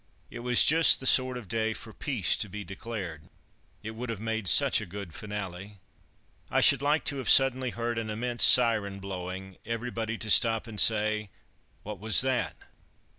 It was just the sort of day for Peace to be declared. It would have made such a good finale. I should like to have suddenly heard an immense siren blowing. Everybody to stop and say, "What was that?"